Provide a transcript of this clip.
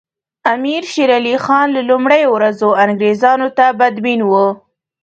امیر شېر علي خان له لومړیو ورځو انګریزانو ته بدبین وو.